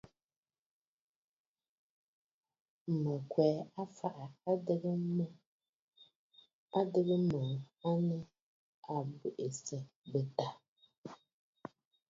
Mə̀ kwe aa fàa adɨgə mə à nɨ abwenənsyɛ bɨ̂taà aà.